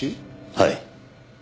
はい。